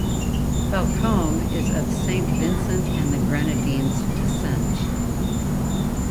Balcombe is of Saint Vincent and the Grenadines descent.